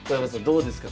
どうですか